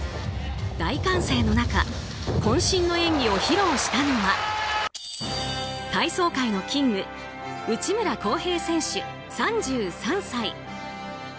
大歓声の中渾身の演技を披露したのは体操界のキング内村航平選手、３３歳。